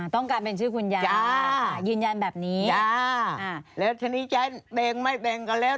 ต้องการเป็นชื่อคุณยายอ่ายืนยันแบบนี้จ้าแล้วทีนี้จะแบ่งไม่แบ่งกันแล้ว